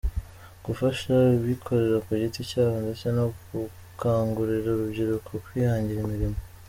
Gufasha abikorera ku giti cyabo ndetse no gukangurira urubyiruko kwihangira imirimo.